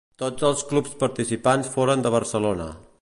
Tots els clubs participants foren de Barcelona.